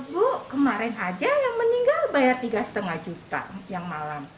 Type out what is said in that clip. bu kemarin aja yang meninggal bayar tiga lima juta yang malam